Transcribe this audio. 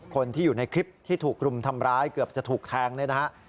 คนที่อยู่ในคลิปที่ถูกรุมทำร้ายเกือบจะถูกแทงเนี่ยนะฮะ